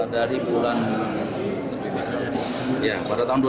dari tahun berapa tadi pak